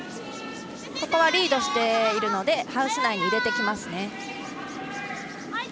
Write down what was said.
ここはリードしているのでハウス内に入れてきますね。